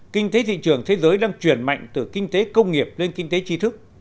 kinh tế thị trường thế giới đang chuyển mạnh từ kinh tế công nghiệp lên kinh tế tri thức